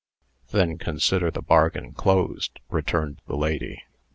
"Then consider the bargain closed," returned the lady.